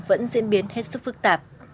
vẫn diễn biến hết sức phức tạp